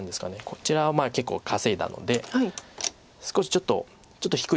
こちらは結構稼いだので少しちょっと低いですよね